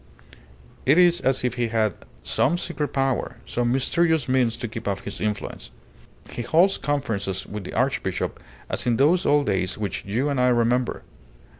It is as if he had some secret power; some mysterious means to keep up his influence. He holds conferences with the Archbishop, as in those old days which you and I remember.